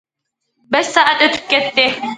بەش سائەت ئۆتۈپ كەتتى.